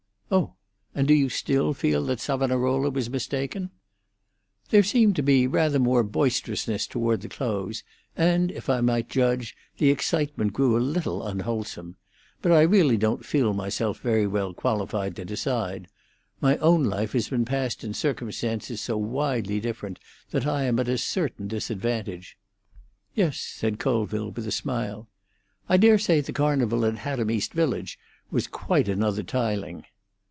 "Oh! And do you still feel that Savonarola was mistaken?" "There seemed to be rather more boisterousness toward the close, and, if I might judge, the excitement grew a little unwholesome. But I really don't feel myself very well qualified to decide. My own life has been passed in circumstances so widely different that I am at a certain disadvantage." "Yes," said Colville, with a smile; "I daresay the Carnival at Haddam East Village was quite another tiling."